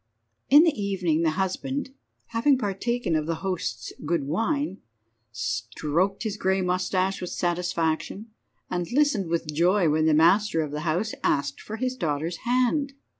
In the evening the husband, having partaken of the host's good wine, stroked his grey moustache with satisfaction, and listened with joy when the master of the house asked for his daughter's hand.